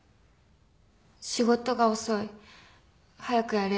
「仕事が遅い」「早くやれ」